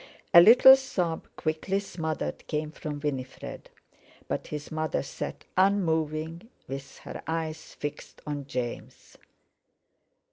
A little sob, quickly smothered, came from Winifred, but his mother sat unmoving with her eyes fixed on James.